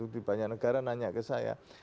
di banyak negara nanya ke saya